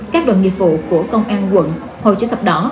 các đoàn nhiệm vụ của công an quận hồ chí thập đỏ